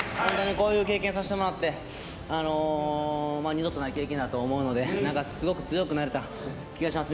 こういう経験をさせてもらって二度とない経験だと思うのですごく強くなれた気がします。